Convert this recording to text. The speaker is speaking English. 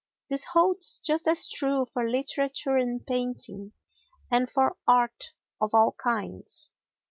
This holds just as true for literature and painting and for art of all kinds.